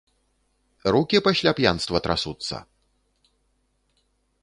Рукі пасля п'янства трасуцца?